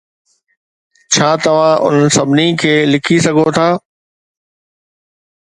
ڇا توهان انهن سڀني کي لکي سگهو ٿا؟